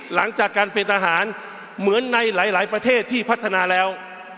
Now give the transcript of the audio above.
หลังจากการเป็นทหารเหมือนในหลายประเทศที่พัฒนาแล้ว